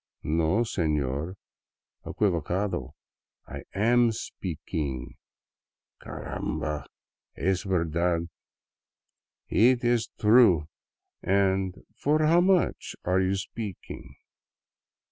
" No, sefior, equivocado, / am speakeeng." " Caramba ! Es verdad. Eet ees true. And for how much are you speakeeng?"